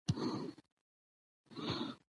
هکله، د افغانستان د اسلامي